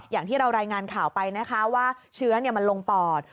อย่างที่เรารายงานข่าวไปนะคะว่าเชื้อมันลงปอด